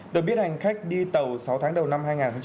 được biết hành khách đi tàu sáu tháng đầu năm hai nghìn hai mươi bốn